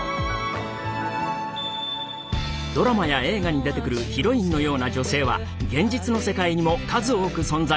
ドラマや映画に出てくるヒロインのような女性は現実の世界にも数多く存在している。